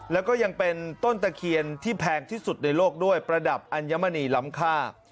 แล้วก็ยังเป็นต้นตะเคียนที่แพงที่สุดในโลกด้วยประดับอัญมณีล้ำค่า